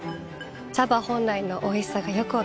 茶葉本来のおいしさがよく分かります。